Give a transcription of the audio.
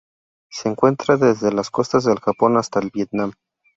Se encuentra desde las costas del Japón hasta el Vietnam.